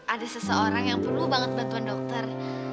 ada seseorang yang perlu banget bantuan dokter